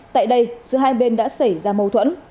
tại đây giữa hai bên đã xảy ra mâu thuẫn